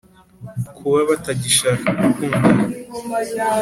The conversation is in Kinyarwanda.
kuba batagishaka gukundana: